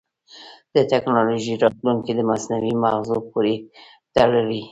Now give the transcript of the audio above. د ټکنالوجۍ راتلونکی د مصنوعي مغزو پورې تړلی دی.